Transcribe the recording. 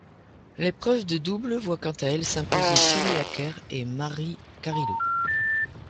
L'épreuve de double voit quant à elle s'imposer Sherry Acker et Mary Carillo.